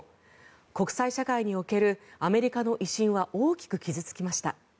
国際社会におけるアメリカの威信は大きく傷付きました。